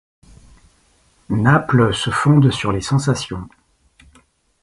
Naples se fonde sur les sensations.